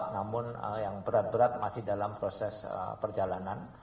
namun yang berat berat masih dalam proses perjalanan